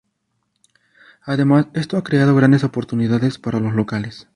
Además, esto ha creado grandes oportunidades para los locales.